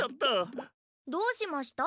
どうしました？